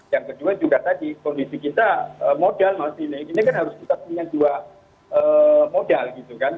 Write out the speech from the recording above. yang kedua juga tadi kondisi kita modal masih naik ini kan harus kita punya dua modal gitu kan